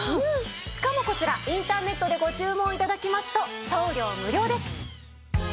しかもこちらインターネットでご注文頂きますと送料無料です。